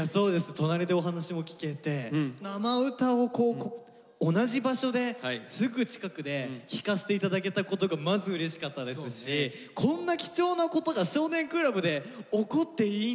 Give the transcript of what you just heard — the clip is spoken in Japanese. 隣でお話も聞けて生歌をこう同じ場所ですぐ近くで聴かせていただけたことがまずうれしかったですしこんな貴重なことが「少年倶楽部」で起こっていいんだというか。